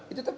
itu tuh pr